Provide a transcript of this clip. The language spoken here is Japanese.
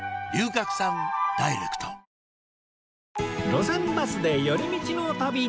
『路線バスで寄り道の旅』